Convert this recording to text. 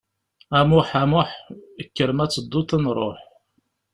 A Muḥ, a Muḥ, kker ma ad tedduḍ ad nruḥ.